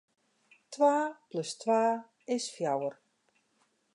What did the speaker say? Twa plus twa is fjouwer.